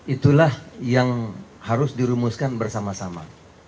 itulah yang harus dirumuskan bersama sama